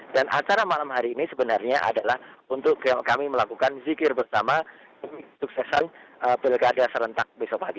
dan acara malam hari ini sebenarnya adalah untuk kami melakukan zikir bersama untuk suksesan pilkada serentak besok pagi